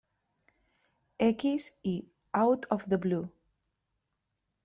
X" y "Out of the Blue".